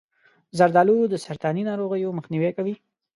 زردآلو د سرطاني ناروغیو مخنیوی کوي.